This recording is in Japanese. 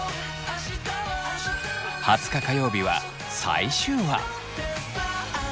２０日火曜日は最終話。